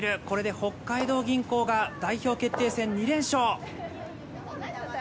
これで北海道銀行が代表決定戦２連勝。